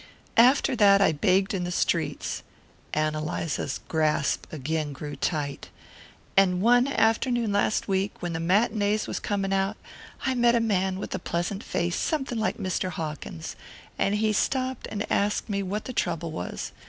"After that I begged in the streets" (Ann Eliza's grasp again grew tight) "and one afternoon last week, when the matinees was coming out, I met a man with a pleasant face, something like Mr. Hawkins, and he stopped and asked me what the trouble was.